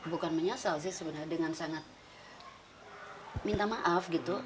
bukan menyesal sih sebenarnya dengan sangat minta maaf gitu